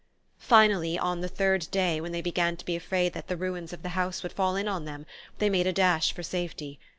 Finally, on the third day, when they began to be afraid that the ruins of the house would fall in on them, they made a dash for safety.